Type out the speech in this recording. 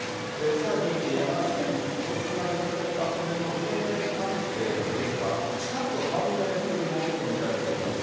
さらに、山梨県道志村で見つかった骨のＤＮＡ鑑定の結果、近く判明するものと見られています。